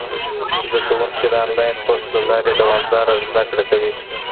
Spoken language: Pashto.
زده کوونکي د انلاين کورس له لارې دوامداره زده کړه کوي.